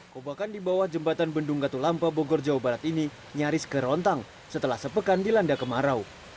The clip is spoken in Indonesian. kobakan di bawah jembatan bendung katulampa bogor jawa barat ini nyaris kerontang setelah sepekan dilanda kemarau